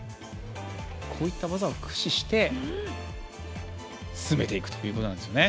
こういった技を駆使して進めていくということですね。